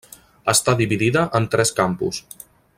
Està dividida en tres campus.